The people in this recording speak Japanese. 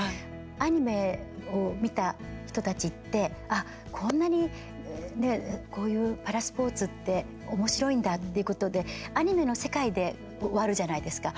アニメを見た人たちってあっ、こんなにねこういうパラスポーツっておもしろいんだっていうことでアニメの世界で終わるじゃないですか。